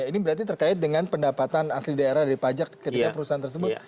ini berarti terkait dengan pendapatan asli daerah dari pajak ketika perusahaan tersebut